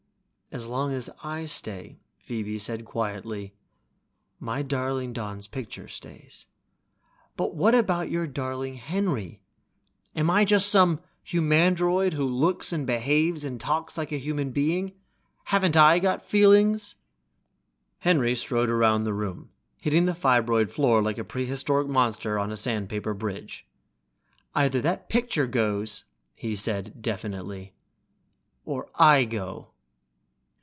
"As long as I stay," Phoebe said quietly, "my darling Don's picture stays." "But what about your darling Henry? Am I just a humandroid who looks and behaves and talks like a human being? Haven't I got feelings?" Henry strode around the room, hitting the fibroid floor like a prehistoric monster on a sandpaper bridge. "Either that picture goes," he said finally, definitely, "or I go!"